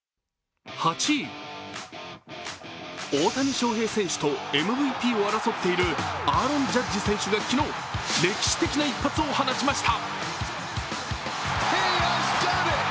大谷翔平選手とＭＶＰを争っているアーロン・ジャッジ選手が昨日歴史的な一発を放ちました。